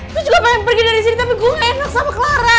aku juga pengen pergi dari sini tapi gue gak enak sama clara